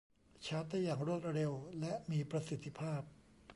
ชาร์จได้อย่างรวดเร็วและมีประสิทธิภาพ